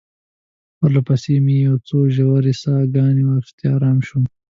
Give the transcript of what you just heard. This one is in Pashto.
پرله پسې مې یو څو ژورې ساه ګانې واخیستې، آرام شوم.